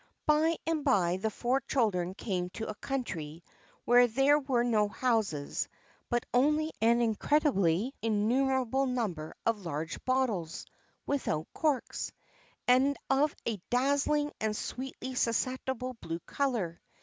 By and by the four children came to a country where there were no houses, but only an incredibly innumerable number of large bottles without corks, and of a dazzling and sweetly susceptible blue color.